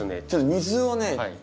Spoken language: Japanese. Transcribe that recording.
ちょっと水をね